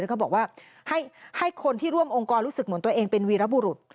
เขาบอกว่าให้คนที่ร่วมองค์กรรู้สึกเหมือนตัวเองเป็นวีรบุรุษ